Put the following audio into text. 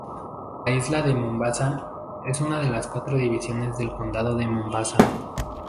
La isla de Mombasa, es una de las cuatro divisiones del condado de Mombasa.